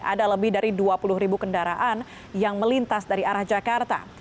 ada lebih dari dua puluh ribu kendaraan yang melintas dari arah jakarta